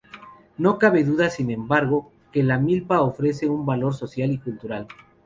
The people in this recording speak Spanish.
No cabe duda, sin embargo, que la milpa ofrece un valor social y cultural.